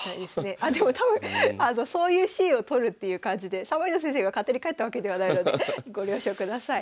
あでも多分そういうシーンを撮るっていう感じで三枚堂先生が勝手に帰ったわけではないのでご了承ください。